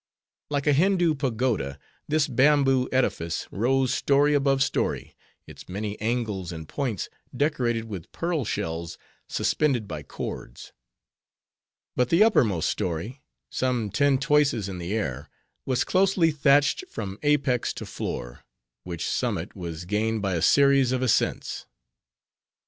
Like a Hindoo pagoda, this bamboo edifice rose story above story; its many angles and points decorated with pearl shells suspended by cords. But the uppermost story, some ten toises in the air, was closely thatched from apex to floor; which summit was gained by a series of ascents.